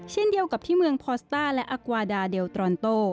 เช่นเดียวกับที่เมืองพอสต้าและอากวาดาเดลตรอนโต